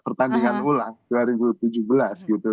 pertandingan ulang dua ribu tujuh belas gitu